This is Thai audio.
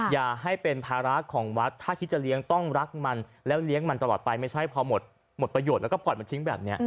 อย่าให้เป็นภาระของวัดถ้าคิดจะเลี้ยงต้องรักมันแล้วเลี้ยงมันตลอดไปไม่ใช่พอหมดประโยชน์แล้วก็ปล่อยมันทิ้งแบบนี้